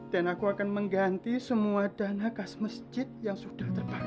dan aku akan mengganti semua dana khas masjid yang sudah terpakai